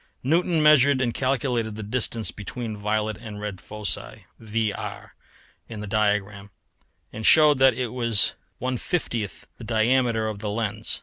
Newton measured and calculated the distance between the violet and red foci VR in the diagram and showed that it was 1/50th the diameter of the lens.